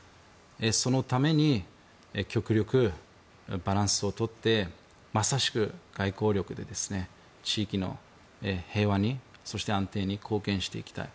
そのために極力、バランスをとってまさしく外交力で地域の平和にそして安定に貢献していきたい。